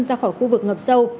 ra khỏi khu vực ngập sâu